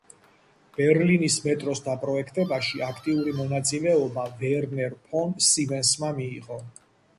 ბერლინის მეტროს დაპროექტებაში აქტიური მონაწილეობა ვერნერ ფონ სიმენსმა მიიღო.